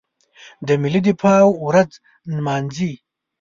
د ملي دفاع ورځ نمانځي.